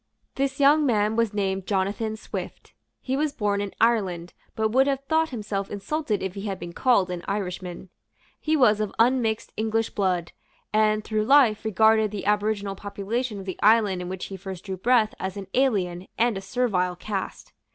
This young man was named Jonathan Swift. He was born in Ireland, but would have thought himself insulted if he had been called an Irishman. He was of unmixed English blood, and, through life, regarded the aboriginal population of the island in which he first drew breath as an alien and a servile caste.